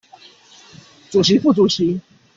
主席副主席